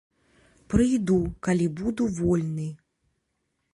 Прыйду, калі буду вольны.